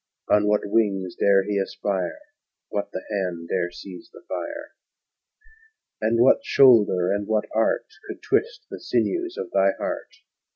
On what wings dare he aspire? What the hand dare seize the fire? And what shoulder and what art Could twist the sinews of thy heart?